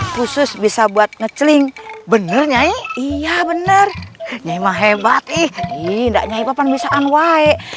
khusus bisa buat ngeceling bener nyai iya bener nyemang hebat ih ini enggaknya papan bisaan wae